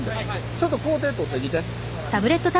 ちょっと工程撮ってきて。